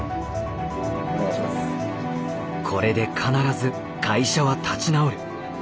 これで必ず会社は立ち直る。